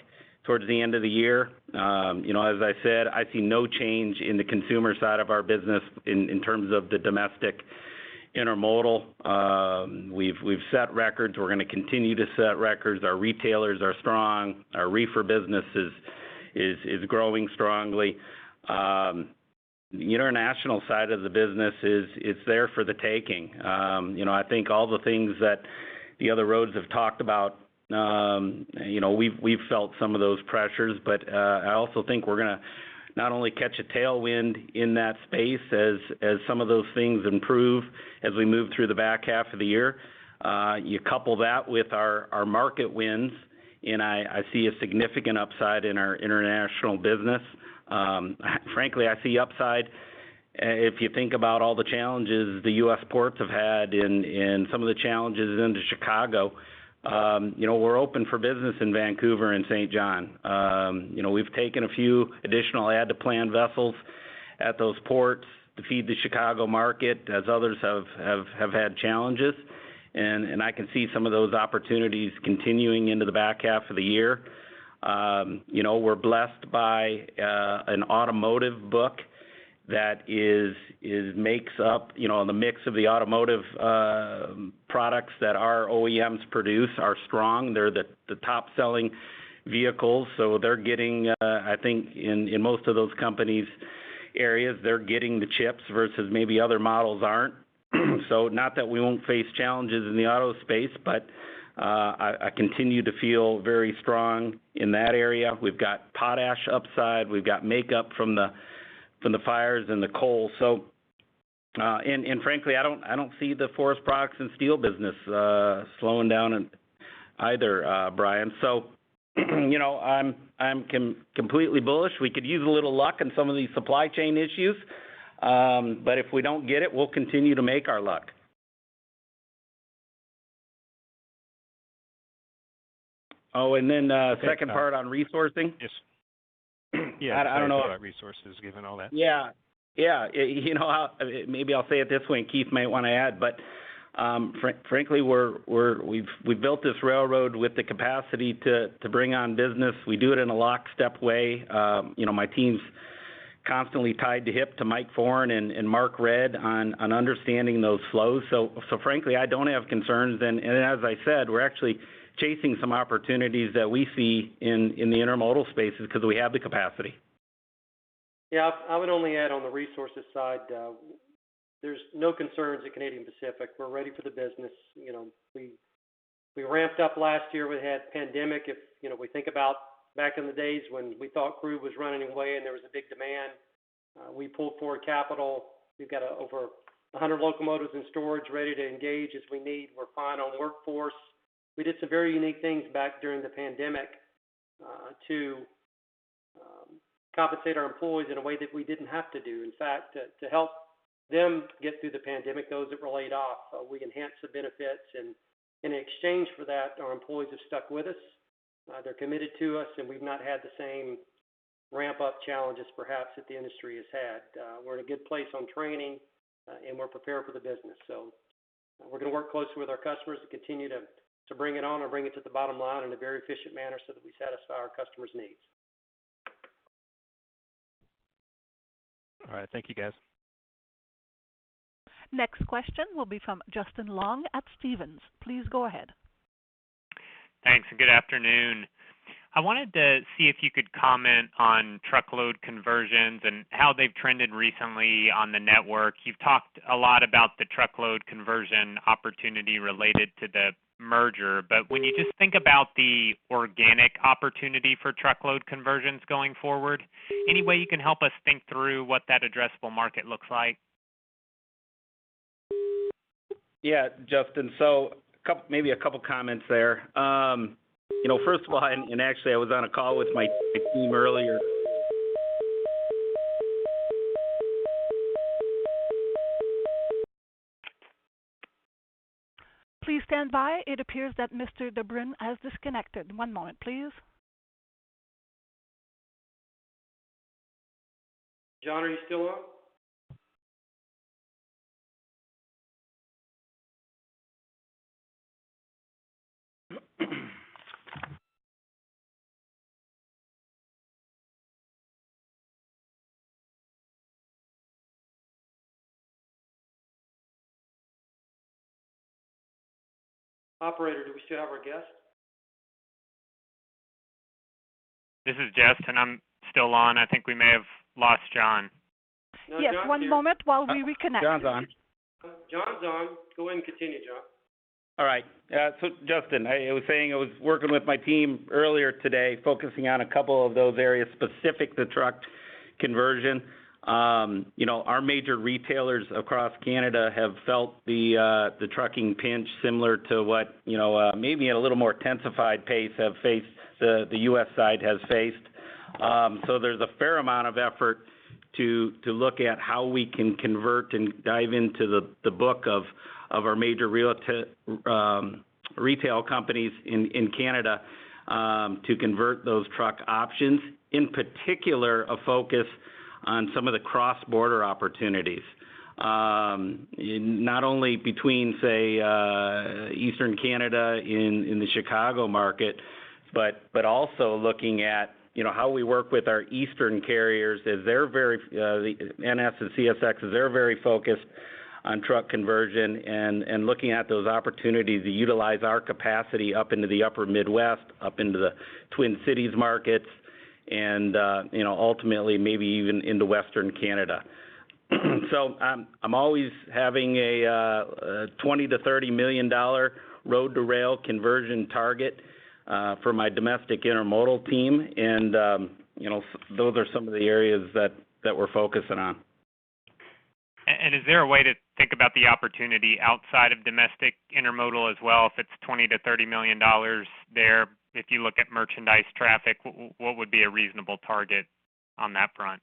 towards the end of the year. As I said, I see no change in the consumer side of our business in terms of the domestic intermodal. We've set records. We're going to continue to set records. Our retailers are strong. Our reefer business is growing strongly. The international side of the business is there for the taking. I think all the things that the other roads have talked about, we've felt some of those pressures. I also think we're going to not only catch a tailwind in that space as some of those things improve as we move through the back half of the year. You couple that with our market wins, and I see a significant upside in our international business. Frankly, I see upside if you think about all the challenges the U.S. ports have had and some of the challenges into Chicago. We're open for business in Vancouver and Saint John. We've taken a few additional add-to-plan vessels at those ports to feed the Chicago market as others have had challenges. I can see some of those opportunities continuing into the back half of the year. We're blessed by an automotive book that the mix of the automotive products that our OEMs produce are strong. They're the top-selling vehicles. They're getting, I think in most of those companies' areas, they're getting the chips versus maybe other models aren't. Not that we won't face challenges in the auto space, but I continue to feel very strong in that area. We've got potash upside. We've got makeup from the fires and the coal. Frankly, I don't see the forest products and steel business slowing down either, Brian. I'm completely bullish. We could use a little luck in some of these supply chain issues. If we don't get it, we'll continue to make our luck. Second part on resourcing? Yes. I don't know. Thinking about resources, given all that. Maybe I'll say it this way. Keith might want to add. Frankly, we've built this railroad with the capacity to bring on business. We do it in a lockstep way. My team's constantly tied to hip to Mike Foran and Mark Redd on understanding those flows. Frankly, I don't have concerns. As I said, we're actually chasing some opportunities that we see in the intermodal spaces because we have the capacity. I would only add on the resources side, there's no concerns at Canadian Pacific. We're ready for the business. We ramped up last year. We had the pandemic. If we think about back in the days when we thought crew was running away and there was a big demand, we pulled forward capital. We've got over 100 locomotives in storage ready to engage as we need. We're fine on workforce. We did some very unique things back during the pandemic, to compensate our employees in a way that we didn't have to do. In fact, to help them get through the pandemic, those that were laid off, we enhanced the benefits. In exchange for that, our employees have stuck with us. They're committed to us, we've not had the same ramp-up challenges perhaps that the industry has had. We're in a good place on training, and we're prepared for the business. We're going to work closely with our customers to continue to bring it on and bring it to the bottom line in a very efficient manner so that we satisfy our customers' needs. All right. Thank you, guys. Next question will be from Justin Long at Stephens. Please go ahead. Thanks. Good afternoon. I wanted to see if you could comment on truckload conversions and how they've trended recently on the network. You've talked a lot about the truckload conversion opportunity related to the merger, but when you just think about the organic opportunity for truckload conversions going forward, any way you can help us think through what that addressable market looks like? Yeah, Justin. Maybe a couple of comments there. First of all, actually, I was on a call with my team earlier. Please stand by. It appears that Mr. de Bruyn has disconnected. One moment, please. John, are you still on? Operator, do we still have our guest? This is Justin. I'm still on. I think we may have lost John. Yes, one moment while we reconnect. John's on. John's on. Go and continue, John. All right. Justin, I was saying I was working with my team earlier today, focusing on a couple of those areas specific to truck conversion. Our major retailers across Canada have felt the trucking pinch similar to what, maybe at a little more intensified pace, have faced the U.S. side has faced. There's a fair amount of effort to look at how we can convert and dive into the book of our major retail companies in Canada to convert those truck options. In particular, a focus on some of the cross-border opportunities, not only between, say, Eastern Canada and the Chicago market, but also looking at how we work with our eastern carriers, NS and CSX. They're very focused on truck conversion and looking at those opportunities to utilize our capacity up into the upper Midwest, up into the Twin Cities markets, and ultimately maybe even into Western Canada. I'm always having a 20 million-30 million dollar road-to-rail conversion target for my domestic intermodal team. Those are some of the areas that we're focusing on. Is there a way to think about the opportunity outside of domestic intermodal as well, if it's 20 million-30 million dollars there? If you look at merchandise traffic, what would be a reasonable target on that front?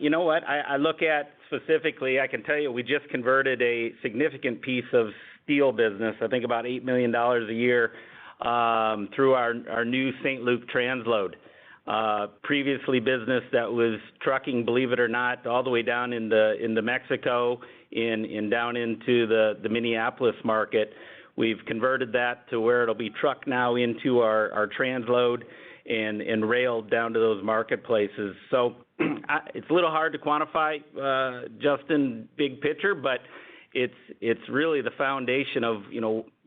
You know what? I look at specifically, I can tell you, we just converted a significant piece of steel business, I think about 8 million dollars a year, through our new St. Luc transload. Previously business that was trucking, believe it or not, all the way down into Mexico and down into the Minneapolis market. We've converted that to where it'll be trucked now into our transload and railed down to those marketplaces. It's a little hard to quantify, Justin, big picture, but it's really the foundation of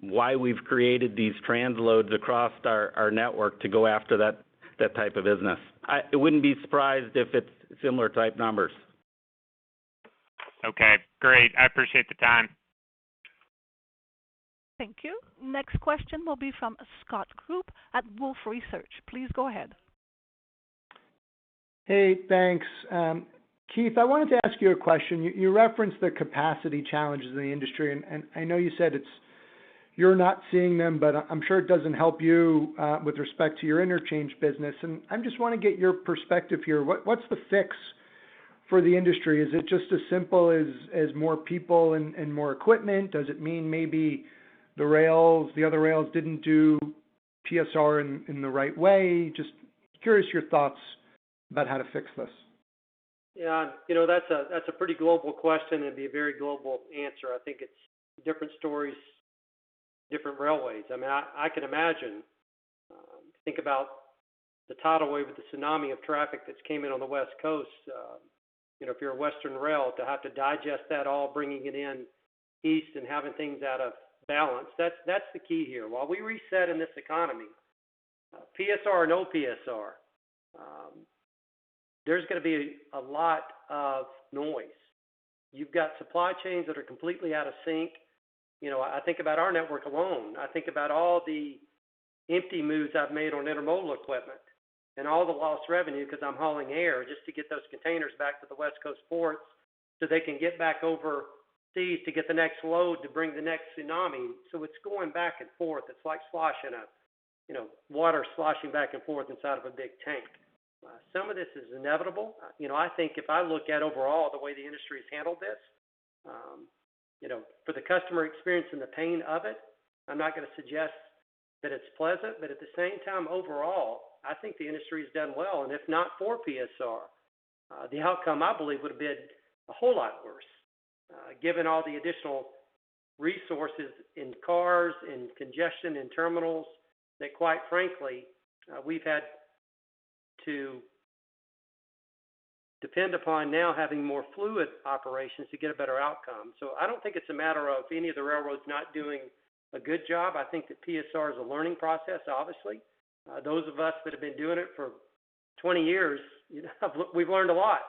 why we've created these transloads across our network to go after that type of business. I wouldn't be surprised if it's similar type numbers. Okay, great. I appreciate the time. Thank you. Next question will be from Scott Group at Wolfe Research. Please go ahead. Hey, thanks. Keith, I wanted to ask you a question. You referenced the capacity challenges in the industry, and I know you said you're not seeing them, but I'm sure it doesn't help you with respect to your interchange business. I just want to get your perspective here. What's the fix for the industry? Is it just as simple as more people and more equipment? Does it mean maybe the other rails didn't do PSR in the right way? Just curious your thoughts about how to fix this. Yeah. That's a pretty global question. It'd be a very global answer. I think it's different stories, different railways. I could imagine, think about the tidal wave with the tsunami of traffic that's came in on the West Coast. If you're a Western rail, to have to digest that all, bringing it in east and having things out of balance, that's the key here. While we reset in this economy, PSR or no PSR, there's going to be a lot of noise. You've got supply chains that are completely out of sync. I think about our network alone. I think about all the empty moves I've made on intermodal equipment and all the lost revenue because I'm hauling air just to get those containers back to the West Coast ports so they can get back overseas to get the next load, to bring the next tsunami. It's going back and forth. It's like water sloshing back and forth inside of a big tank. Some of this is inevitable. I think if I look at, overall, the way the industry has handled this, for the customer experience and the pain of it, I'm not going to suggest that it's pleasant, but at the same time, overall, I think the industry's done well. If not for PSR, the outcome, I believe, would've been a whole lot worse. Given all the additional resources in cars, in congestion, in terminals, that quite frankly, we've had to depend upon now having more fluid operations to get a better outcome. I don't think it's a matter of any of the railroads not doing a good job. I think that PSR is a learning process, obviously. Those of us that have been doing it for 20 years, we've learned a lot.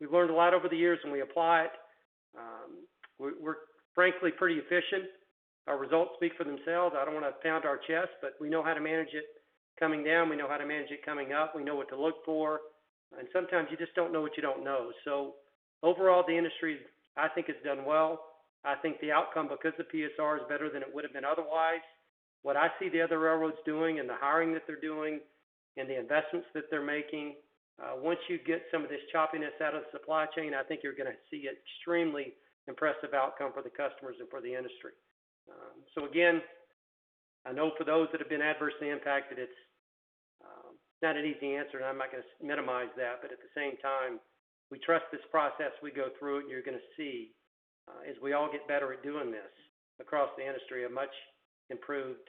We've learned a lot over the years, and we apply it. We're frankly pretty efficient. Our results speak for themselves. I don't want to pound our chest, but we know how to manage it coming down. We know how to manage it coming up. We know what to look for, and sometimes you just don't know what you don't know. Overall, the industry, I think, has done well. I think the outcome because of PSR is better than it would've been otherwise. What I see the other railroads doing and the hiring that they're doing and the investments that they're making, once you get some of this choppiness out of the supply chain, I think you're going to see extremely impressive outcome for the customers and for the industry. Again, I know for those that have been adversely impacted, it's not an easy answer, and I'm not going to minimize that. At the same time, we trust this process. We go through it and you're going to see, as we all get better at doing this across the industry, a much improved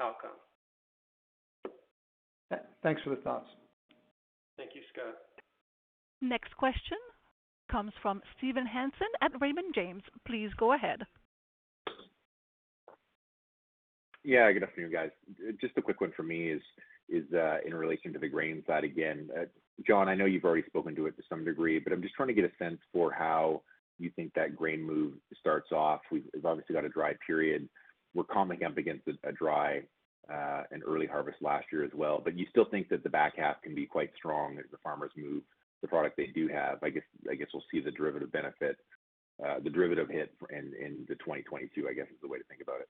outcome. Thanks for the thoughts. Thank you, Scott. Next question comes from Steven Hansen at Raymond James. Please go ahead. Yeah. Good afternoon, guys. Just a quick one for me is in relation to the grains side again. John, I know you've already spoken to it to some degree, but I'm just trying to get a sense for how you think that grain move starts off. We've obviously got a dry period. We're coming up against a dry and early harvest last year as well. You still think that the back half can be quite strong as the farmers move the product they do have. I guess we'll see the derivative hit in the 2022, I guess, is the way to think about it.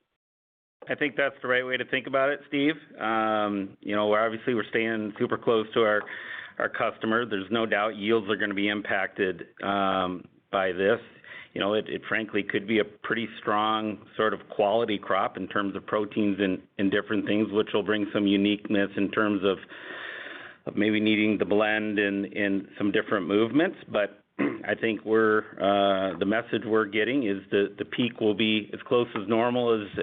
I think that's the right way to think about it, Steve. We're staying super close to our customer. There's no doubt yields are going to be impacted by this. It frankly could be a pretty strong quality crop in terms of proteins and different things, which will bring some uniqueness in terms of maybe needing to blend in some different movements. I think the message we're getting is that the peak will be as close as normal as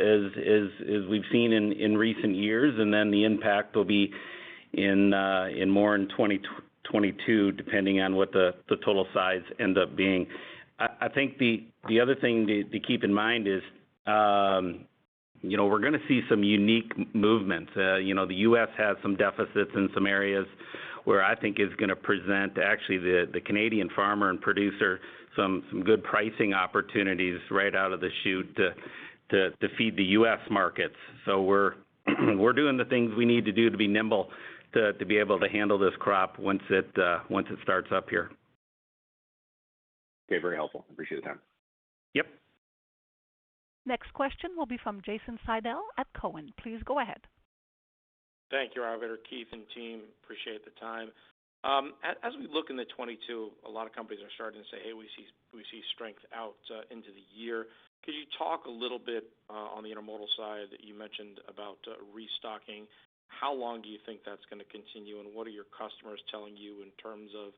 we've seen in recent years. The impact will be more in 2022, depending on what the total size end up being. I think the other thing to keep in mind is we're going to see some unique movements. The U.S. has some deficits in some areas where I think is going to present, actually, the Canadian farmer and producer some good pricing opportunities right out of the chute to feed the U.S. markets. We're doing the things we need to do to be nimble to be able to handle this crop once it starts up here. Okay. Very helpful. Appreciate the time. Yep. Next question will be from Jason Seidl at Cowen. Please go ahead. Thank you, all, Keith, and team. Appreciate the time. As we look into 2022, a lot of companies are starting to say, "Hey, we see strength out into the year." Could you talk a little bit on the intermodal side that you mentioned about restocking? How long do you think that's going to continue, and what are your customers telling you in terms of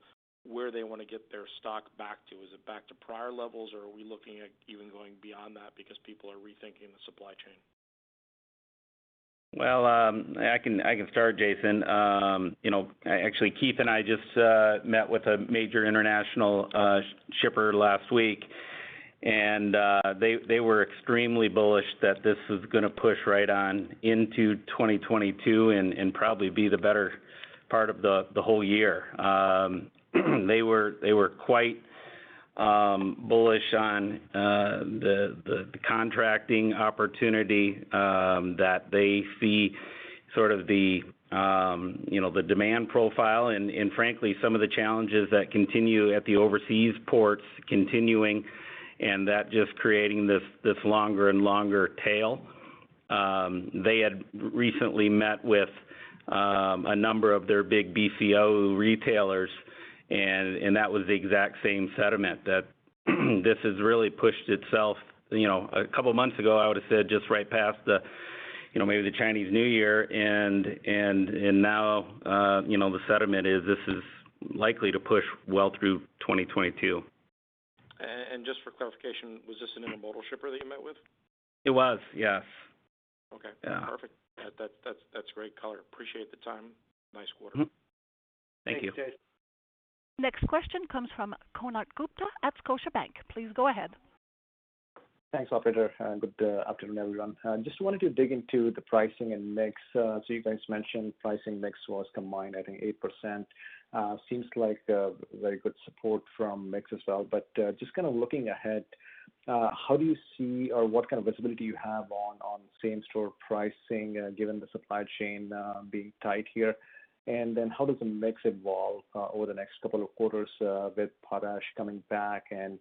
where they want to get their stock back to? Is it back to prior levels, or are we looking at even going beyond that because people are rethinking the supply chain? Well, I can start, Jason. Actually, Keith and I just met with a major international shipper last week, and they were extremely bullish that this is going to push right on into 2022 and probably be the better part of the whole year. They were quite bullish on the contracting opportunity that they see sort of the demand profile and frankly some of the challenges that continue at the overseas ports continuing, and that just creating this longer and longer tail. They had recently met with a number of their big BCO retailers, and that was the exact same sentiment that this has really pushed itself. A couple of months ago, I would've said just right past maybe the Chinese New Year and now, the sentiment is this is likely to push well through 2022. Just for clarification, was this an intermodal shipper that you met with? It was, yes. Okay. Yeah. Perfect. That's great color. Appreciate the time. Nice quarter. Thank you. Thanks. Next question comes from Konark Gupta at Scotiabank. Please go ahead. Thanks, Operator. Good afternoon, everyone. Just wanted to dig into the pricing and mix. You guys mentioned pricing mix was combined, I think 8%. Seems like very good support from mix as well. Just kind of looking ahead, how do you see or what kind of visibility you have on same store pricing, given the supply chain being tight here? How does the mix evolve over the next couple of quarters with potash coming back and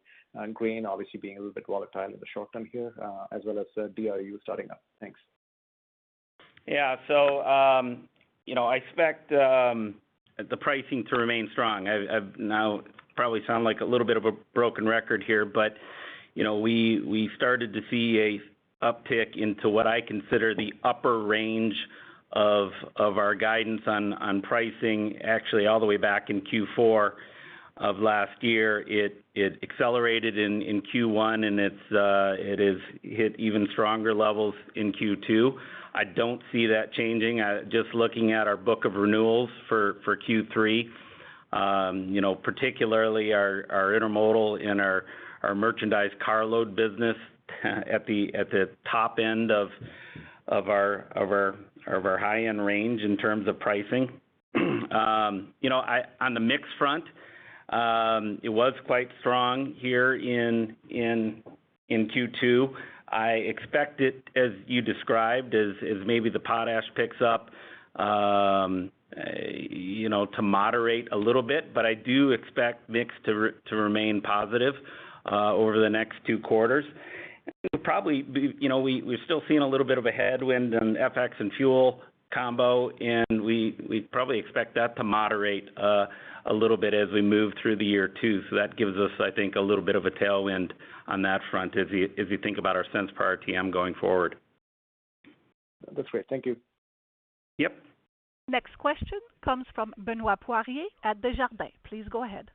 grain obviously being a little bit volatile in the short term here, as well as DRU starting up? Thanks. I expect the pricing to remain strong. I now probably sound like a little bit of a broken record here, but we started to see an uptick into what I consider the upper range of our guidance on pricing actually all the way back in Q4 of last year. It accelerated in Q1, it has hit even stronger levels in Q2. I don't see that changing. Just looking at our book of renewals for Q3, particularly our intermodal and our merchandise car load business at the top end of our high-end range in terms of pricing. On the mix front, it was quite strong here in Q2. I expect it, as you described, as maybe the potash picks up, to moderate a little bit. I do expect mix to remain positive over the next two quarters. We're still seeing a little bit of a headwind on FX and fuel combo, and we probably expect that to moderate a little bit as we move through the year too. That gives us, I think, a little bit of a tailwind on that front as you think about our sense for RTM going forward. That's great. Thank you. Yep. Next question comes from Benoit Poirier at Desjardins. Please go ahead.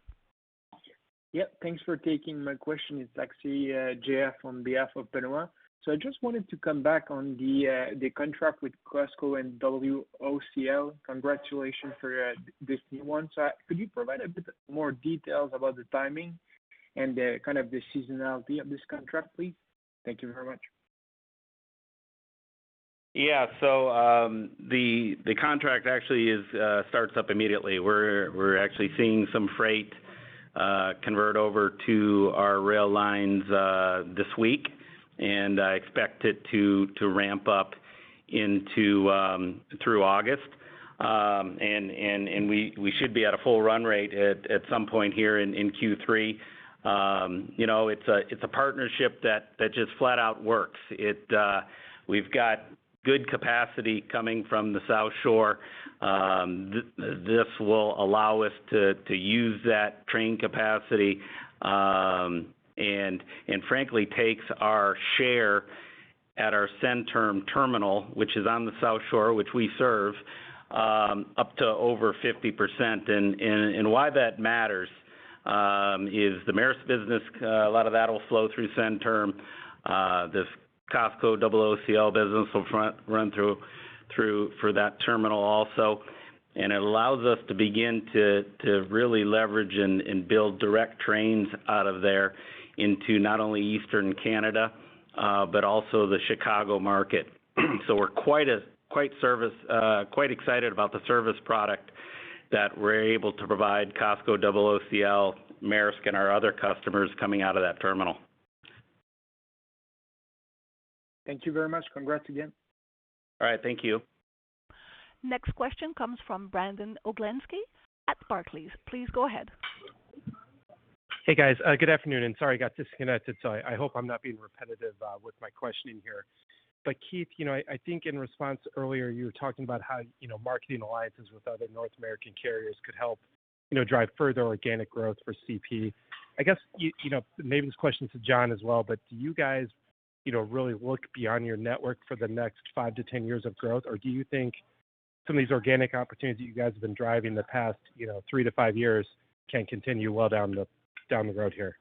Yeah. Thanks for taking my question. It's actually J.F. on behalf of Benoit. I just wanted to come back on the contract with COSCO and OOCL. Congratulations for this new one. Could you provide a bit more details about the timing and the kind of the seasonality of this contract, please? Thank you very much. The contract actually starts up immediately. We're actually seeing some freight convert over to our rail lines this week, and I expect it to ramp up through August. We should be at a full run rate at some point here in Q3. It's a partnership that just flat out works. We've got good capacity coming from the South Shore. This will allow us to use that train capacity, and frankly takes our share at our Centerm terminal, which is on the South Shore, which we serve, up to over 50%. Why that matters is the Maersk business, a lot of that'll flow through Centerm. This COSCO, OOCL business will run through for that terminal also. It allows us to begin to really leverage and build direct trains out of there into not only Eastern Canada, but also the Chicago market. We're quite excited about the service product that we're able to provide COSCO, OOCL, Maersk, and our other customers coming out of that terminal. Thank you very much. Congrats again. All right. Thank you. Next question comes from Brandon Oglenski at Barclays. Please go ahead. Hey, guys. Good afternoon, and sorry I got disconnected, so I hope I'm not being repetitive with my questioning here. Keith, I think in response earlier you were talking about how marketing alliances with other North American carriers could help drive further organic growth for CP. I guess, maybe this question is to John as well, do you guys really look beyond your network for the next 5-10 years of growth, or do you think some of these organic opportunities that you guys have been driving the past 3-5 years can continue well down the road here?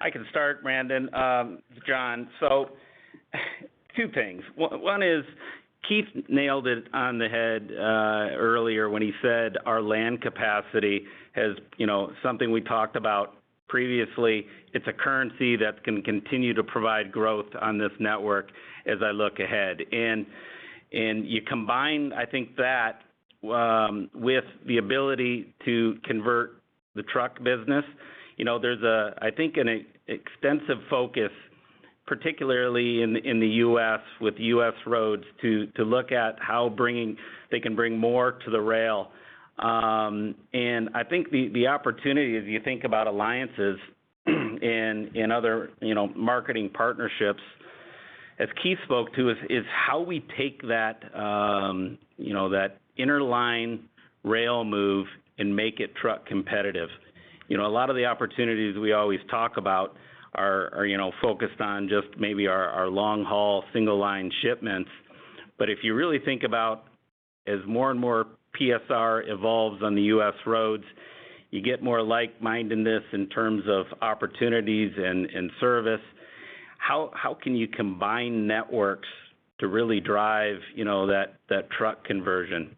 I can start, Brandon. It's John. Two things. One is Keith nailed it on the head earlier when he said our land capacity is something we talked about previously, it's a currency that's going to continue to provide growth on this network as I look ahead. You combine, I think, that with the ability to convert the truck business. There's, I think, an extensive focus, particularly in the U.S. with U.S. roads, to look at how they can bring more to the rail. I think the opportunity, as you think about alliances and other marketing partnerships, as Keith spoke to, is how we take that interline rail move and make it truck competitive. A lot of the opportunities we always talk about are focused on just maybe our long-haul single line shipments. If you really think about as more and more PSR evolves on the U.S. roads, you get more like-mindedness in terms of opportunities and service. How can you combine networks to really drive that truck conversion?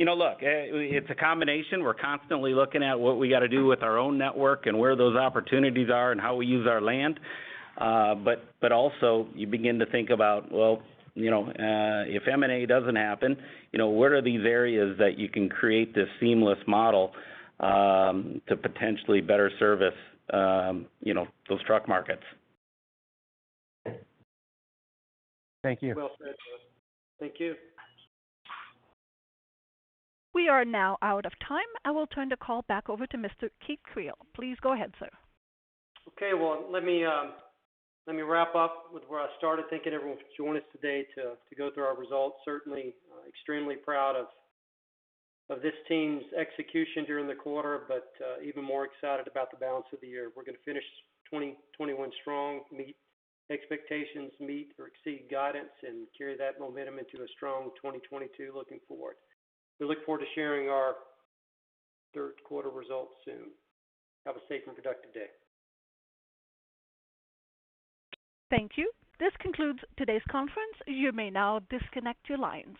Look, it's a combination. We're constantly looking at what we got to do with our own network and where those opportunities are and how we use our land. Also you begin to think about, well, if M&A doesn't happen, where are these areas that you can create this seamless model to potentially better service those truck markets? Thank you. Well said. Thank you. We are now out of time. I will turn the call back over to Mr. Keith Creel. Please go ahead, sir. Okay. Well, let me wrap up with where I started. Thank you to everyone for joining us today to go through our results. Certainly extremely proud of this team's execution during the quarter, but even more excited about the balance of the year. We're going to finish 2021 strong, meet expectations, meet or exceed guidance, and carry that momentum into a strong 2022 looking forward. We look forward to sharing our third quarter results soon. Have a safe and productive day. Thank you. This concludes today's conference. You may now disconnect your lines.